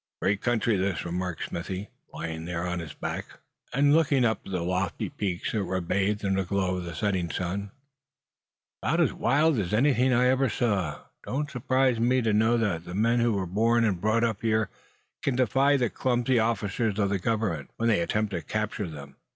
"Great country this," remarked Smithy, lying there on his back, and looking up at the lofty peaks that were bathed in the glow of the setting sun. "About as wild as anything I ever saw. Don't surprise me to know that the men who were born and brought up here can defy the clumsy officers of the Government, when they attempt to capture them.